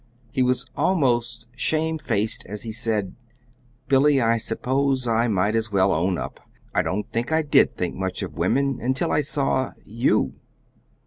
He was almost shamefaced as he said: "Billy, I suppose I might as well own up. I don't think I did think much of women until I saw you."